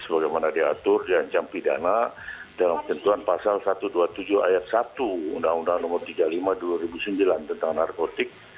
sebagaimana diatur diancam pidana dalam tentuan pasal satu ratus dua puluh tujuh ayat satu undang undang nomor tiga puluh lima dua ribu sembilan tentang narkotik